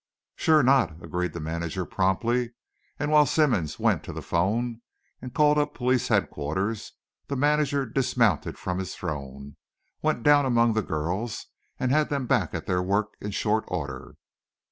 "Sure not," agreed the manager promptly, and while Simmonds went to the 'phone and called up police headquarters, the manager dismounted from his throne, went down among the girls, and had them back at their work in short order.